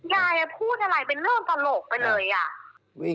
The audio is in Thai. ยายพูดอะไรเป็นเรื่องตลกไปเลยอ่ะ